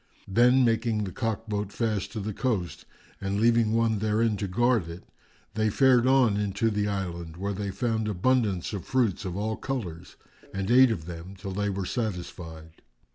Then, making the cock boat fast to the coast and leaving one therein to guard it, they fared on into the island, where they found abundance of fruits of all colours and ate of them till they were satisfied.